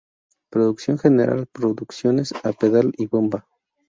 Producción General: Producciones A Pedal y Bomba.